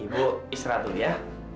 ibu istirahat dulu ya